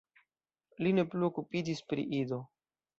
Li ne plu okupiĝis pri Ido.